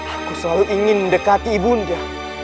aku selalu ingin mendekati ibu nda